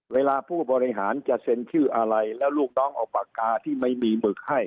เวลาผู้บริหารจะเซ็นชื่ออะไรแล้วลูกน้องเอาปากกาที่ไม่มีหมึกให้